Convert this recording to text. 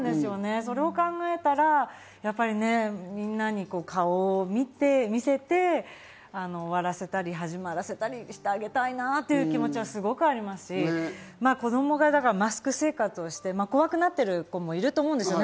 それを考えたらやっぱり、みんなに顔を見せて終わらせたり、始まらせたりしてあげたいなという気持ちはすごくありますし、子供がマスク生活をして怖くなってる子もいると思うんですね。